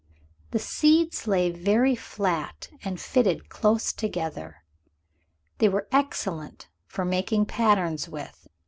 The seeds lay very flat and fitted close together. They were excellent for making patterns with.